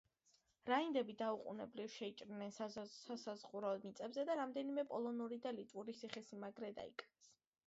რაინდები დაუყოვნებლივ შეიჭრნენ სასაზღვრო მიწებზე და რამდენიმე პოლონური და ლიტვური ციხესიმაგრე დაიკავეს.